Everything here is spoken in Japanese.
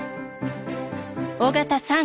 尾形さん